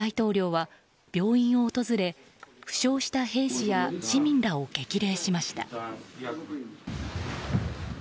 ゼレンスキー大統領は病院を訪れ負傷した兵士や市民らを激励しました。